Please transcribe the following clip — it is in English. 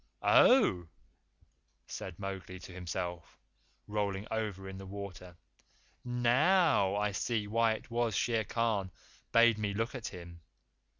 "Oh!" said Mowgli to himself, rolling over in the water. "NOW I see why it was Shere Khan bade me look at him!